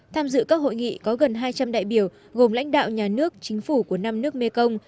tham dự các hội nghị có gần hai trăm linh đại biểu gồm lãnh đạo nhà nước chính phủ của năm nước mekong